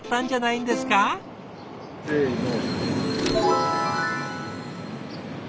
せの。